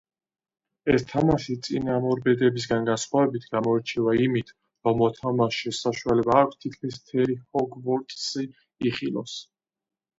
ეს თამაში, წინამორბედებისგან განსხვავებით, გამოირჩევა იმით, რომ მოთამაშეს საშუალება აქვს, თითქმის მთელი ჰოგვორტსი იხილოს.